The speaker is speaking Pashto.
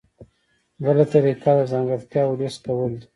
بله طریقه د ځانګړتیاوو لیست کول دي.